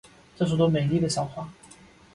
这是朵美丽的小花。